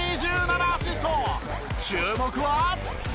注目は。